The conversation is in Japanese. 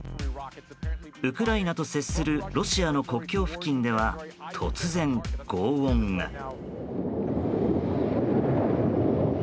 ウクライナと接するロシアの国境付近では突然、轟音が。